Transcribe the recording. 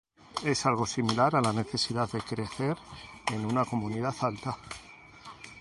Es algo similar a la necesidad de crecer en una comunidad alta.